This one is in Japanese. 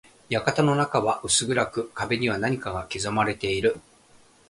館の中は薄暗く、壁には何かが刻まれている。